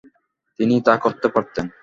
তিনি তা করতে পারতেন।